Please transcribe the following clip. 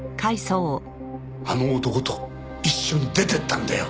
あの男と一緒に出ていったんだよ。